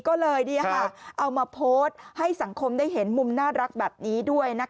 ก็เลยเอามาโพสต์ให้สังคมได้เห็นมุมน่ารักแบบนี้ด้วย